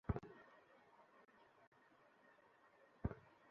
শাড়িতে হাত মুছছো কেন?